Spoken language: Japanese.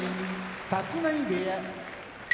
立浪部屋